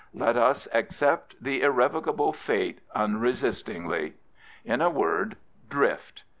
Let us accept the irrevocable fate unresistingly. In a word, Drift.